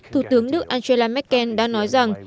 thủ tướng nước angela merkel đã nói rằng